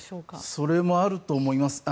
それもあると思います。